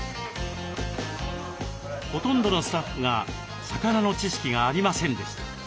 ほとんどのスタッフが魚の知識がありませんでした。